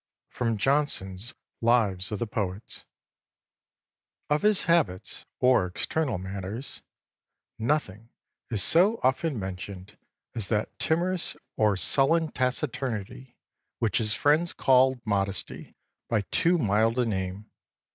[Sidenote: Johnson's Lives of the Poets.] "Of his habits, or external manners, nothing is so often mentioned as that timorous or sullen taciturnity, which his friends called modesty by too mild a name.